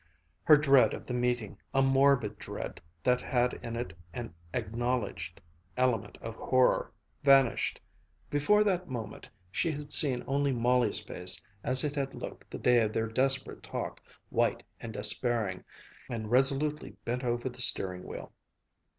Her dread of the meeting, a morbid dread that had in it an acknowledged element of horror, vanished. Before that moment she had seen only Molly's face as it had looked the day of their desperate talk, white and despairing, and resolutely bent over the steering wheel.